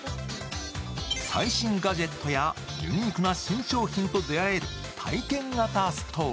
最新ガジェットやユニークな新商品と出会える体験型ストア。